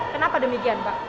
kenapa demikian pak